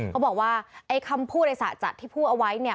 เขาบอกว่าไอ้คำพูดในสระจัดที่พูดเอาไว้เนี่ย